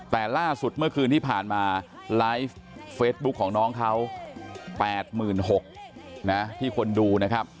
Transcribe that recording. แต่ล่าสุดเมื่อคืนที่ผ่านมาไลฟ์เฟซบุ๊คของน้องเขา๘๖๐๐นะที่คนดูนะครับ